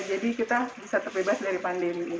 jadi kita bisa terbebas dari pandemi